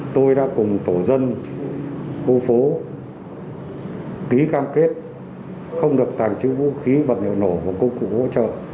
tôi đã cùng tổ dân khu phố ký cam kết không được tàng trữ vũ khí vật liệu nổ và công cụ hỗ trợ